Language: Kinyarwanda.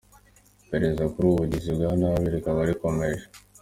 Iperereza kuri ubu bugizi bwa nabi rikaba rikomeje.